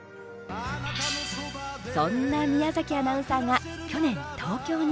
そんな宮崎アナウンサーが去年、東京に。